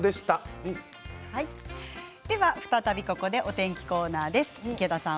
再びお天気コーナーです。